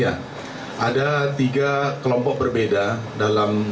lalu yang kedua adalah kelompok operasional